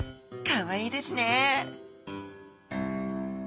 かわいいですね